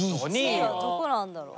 １位はどこなんだろう。